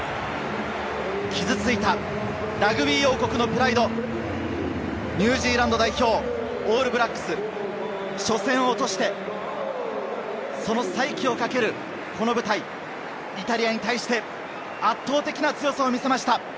傷ついたラグビー王国のプライド、ニュージーランド代表・オールブラックス、初戦を落として、その再起をかける、この舞台、イタリアに対して圧倒的な強さを見せました。